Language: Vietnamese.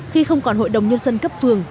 khi không còn hội đồng nhân dân cấp phường